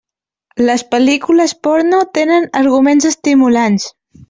Les pel·lícules porno tenen arguments estimulants.